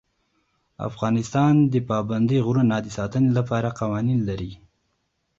افغانستان د پابندی غرونه د ساتنې لپاره قوانین لري.